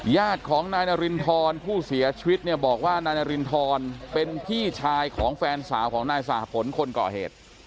ญาติของนายนารินทรผู้เสียชีวิตเนี่ยบอกว่านายนารินทรเป็นพี่ชายของแฟนสาวของนายสหพลคนก่อเหตุ